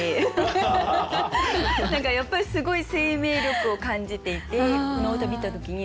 やっぱりすごい生命力を感じていてこの歌見た時に。